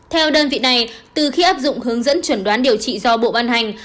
theo đơn vị này từ khi áp dụng hướng dẫn chuẩn đoán điều trị do bộ ban hành